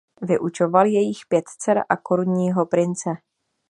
Vyučoval jejích pět dcer a korunního prince.